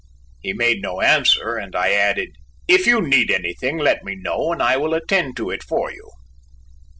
He made no answer, and I added: "If you need anything, let me know and I will attend to it for you."